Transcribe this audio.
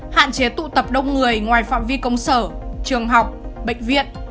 hạn chế tụ tập đông người ngoài phạm vi công sở trường học bệnh viện